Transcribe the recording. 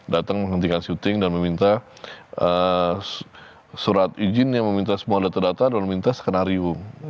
datang menghentikan syuting dan meminta surat izin yang meminta semua data data dan minta skenario